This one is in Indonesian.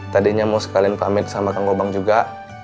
tadinya mau sekalian pamit sama kang gobang juga